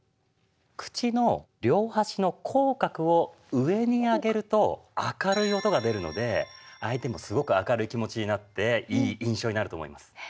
口の両端の口角を上に上げると明るい音が出るので相手もすごく明るい気持ちになっていい印象になると思います。